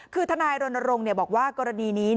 คือทนายรณรงค์บอกว่ากรณีนี้